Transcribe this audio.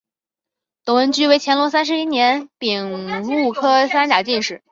董文驹为乾隆三十一年丙戌科三甲进士。